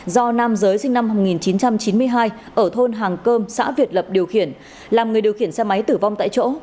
do nam giới sinh năm một nghìn chín trăm chín mươi hai ở thôn hàng cơm xã việt lập điều khiển làm người điều khiển xe máy tử vong tại chỗ